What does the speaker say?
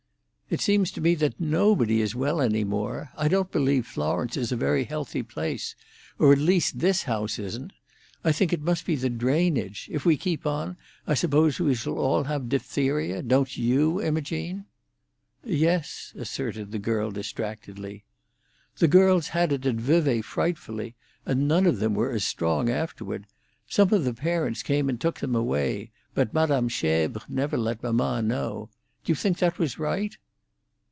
"It seems to me that nobody is well any more. I don't believe Florence is a very healthy place. Or at least this house isn't. I think it must be the drainage. If we keep on, I suppose we shall all have diphtheria. Don't you, Imogene?" "Yes," asserted the girl distractedly. "The girls had it at Vevay frightfully. And none of them were as strong afterward. Some of the parents came and took them away; but Madame Schebres never let mamma know. Do you think that was right?"